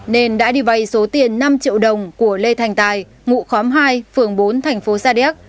nên đã đi vay số tiền năm triệu đồng của lê thành tài ngụ khóm hai phường bốn thành phố sa điếc